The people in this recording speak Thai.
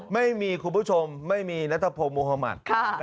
ไม่มีคุณผู้ชมไม่มีนัตรภพมุฮมัตร